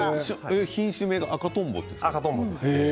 品種名が赤とんぼなんですね。